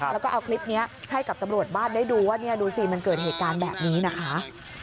แล้วก็เอาคลิปนี้ให้กับตำรวจบ้านได้ดูว่าเนี่ยดูสิมันเกิดเหตุการณ์แบบนี้นะคะ